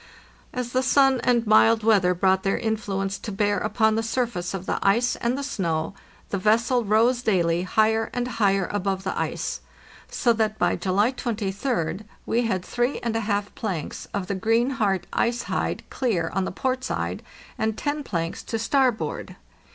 As the sun and mild weather brought their influence to bear upon the surface of the ice and the snow, the vessel rose daily Ligher and higher above the ice, so that by July 23d we had three and a half planks of the greenheart ice hide clear on the port side and ten planks to starboard.